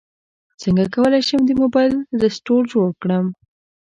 څنګه کولی شم د موبایل رسټور جوړ کړم